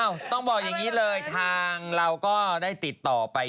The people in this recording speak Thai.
ต้องบอกอย่างนี้เลยทางเราก็ได้ติดต่อไป